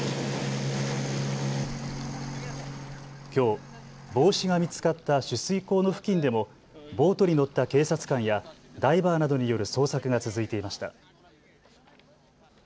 きょう帽子が見つかった取水口の付近でもボートに乗った警察官やダイバーなどによる捜索が続いていました。